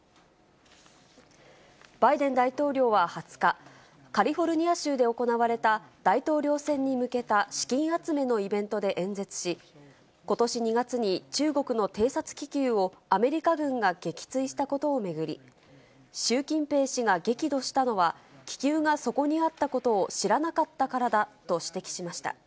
バイデン大統領は２０日、カリフォルニア州で行われた大統領選に向けた資金集めのイベントで演説し、ことし２月に、中国の偵察気球をアメリカ軍が撃墜したことを巡り、習近平氏が激怒したのは、気球がそこにあったことを知らなかったからだと指摘しました。